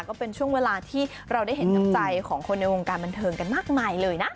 ก็เป็นช่วงเวลาที่เราได้เห็นน้ำใจของคนในวงการบันเทิงกันมากมายเลยนะ